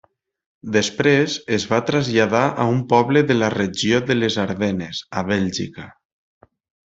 Després es va traslladar a un poble de la regió de les Ardenes, a Bèlgica.